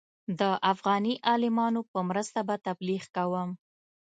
د افغاني عالمانو په مرسته به تبلیغ کوم.